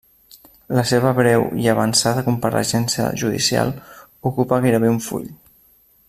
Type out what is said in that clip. La seva breu, i avançada, compareixença judicial, ocupa gairebé un full.